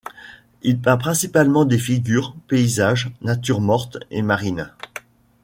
Il peint principalement des figures, paysages, natures mortes et marines.